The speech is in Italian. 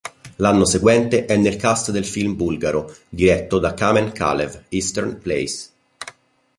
L'anno seguente è nel cast del film bulgaro, diretto da Kamen Kalev, "Eastern Plays".